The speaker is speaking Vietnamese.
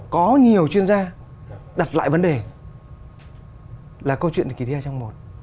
có nhiều chuyên gia đặt lại vấn đề là câu chuyện kỳ thi hai trong một